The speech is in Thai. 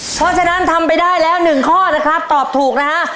เพราะฉะนั้นทำไปได้แล้ว๑ข้อนะครับตอบถูกนะฮะ